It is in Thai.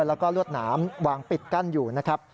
แล้วก็ลวดหนามวางปิดกั้นอยู่นะครับ